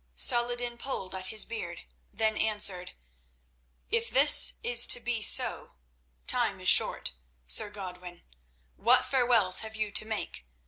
Saladin pulled at his beard, then answered: "If this is to be so, time is short, Sir Godwin. What farewells have you to make?